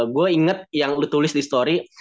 gue inget yang lu tulis di story